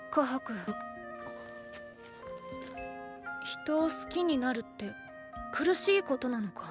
人を好きになるって苦しいことなのか？